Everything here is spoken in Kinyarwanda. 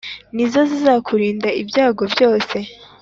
ni zo zizakurinda ibyago byose